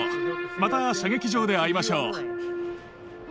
また射撃場で会いましょう。